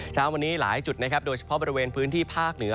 เช้าวันนี้หลายจุดนะครับโดยเฉพาะบริเวณพื้นที่ภาคเหนือ